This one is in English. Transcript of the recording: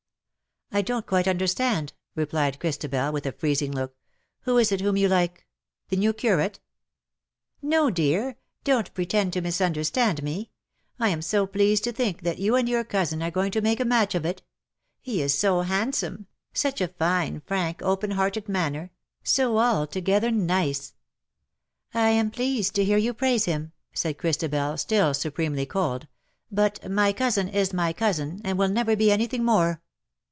"I don^t quite understand/' replied Christabel, with a freezing look :'^ who is it whom you like ? The new Curate T' '^No dear, don't pretend to misunderstand me. I am so pleased to think that you and your cousin are going to make a match of it. He is so hand some — such a fine, frank, open hearted manner — so altogether nice.'' ^^ I am pleased to hear you praise him," said Christabel, still supremely cold ;" but my cousin is my cousin, and will never be anything more."